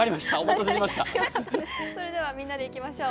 それではみんなでいきましょう。